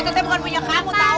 itu saya bukan punya kamu tahu